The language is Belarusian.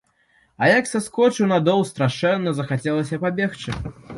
А як саскочыў на дол, страшэнна захацелася пабегчы.